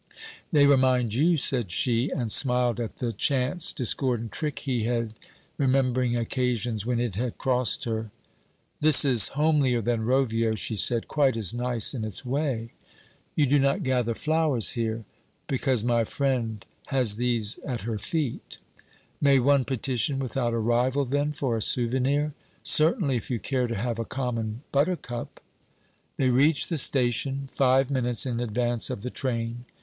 'They remind you,' said she, and smiled at the chance discordant trick he had, remembering occasions when it had crossed her. 'This is homelier than Rovio,' she said; 'quite as nice in its way.' 'You do not gather flowers here.' 'Because my friend has these at her feet.' 'May one petition without a rival, then, for a souvenir?' 'Certainly, if you care to have a common buttercup.' They reached the station, five minutes in advance of the train.